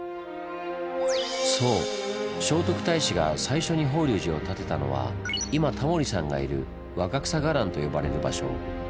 そう聖徳太子が最初に法隆寺を建てたのは今タモリさんがいる「若草伽藍」と呼ばれる場所。